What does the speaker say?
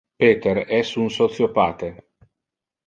Peter es un sociopathe.